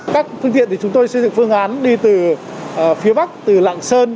các phương tiện thì chúng tôi xây dựng phương án đi từ phía bắc từ lạng sơn